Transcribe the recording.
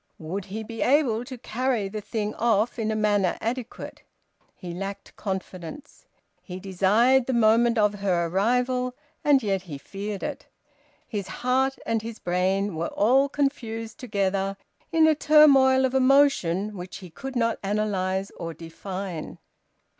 Would he be able to carry the thing off in a manner adequate? He lacked confidence. He desired the moment of her arrival, and yet he feared it. His heart and his brain were all confused together in a turmoil of emotion which he could not analyse nor define.